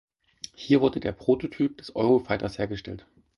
Hier wurde der Prototyp des Eurofighters hergestellt.